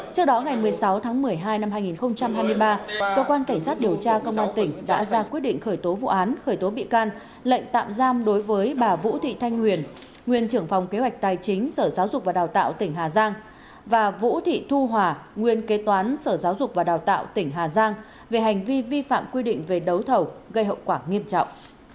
trước đó ngày một mươi sáu tháng một mươi hai năm hai nghìn hai mươi ba cơ quan cảnh sát điều tra công an tỉnh đã ra quyết định khởi tố vụ án khởi tố bị can lệnh tạm giam đối với bà vũ thị thanh nguyền nguyên trưởng phòng kế hoạch tài chính sở giáo dục và đào tạo tỉnh hà giang và vũ thị thu hòa nguyên kế toán sở giáo dục và đào tạo tỉnh hà giang về hành vi vi phạm quy định về đấu thầu gây hậu quả nghiêm trọng